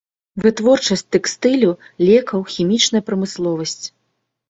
Вытворчасць тэкстылю, лекаў, хімічная прамысловасць.